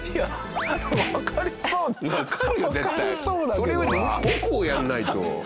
それより奥をやらないと！